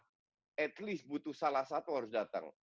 setidaknya butuh salah satu yang harus datang